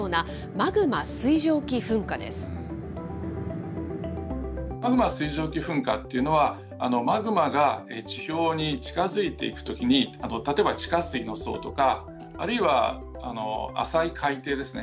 マグマ水蒸気噴火っていうのは、マグマが地表に近づいていくときに、例えば、地下水の層とか。